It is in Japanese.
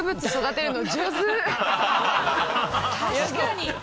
確かに！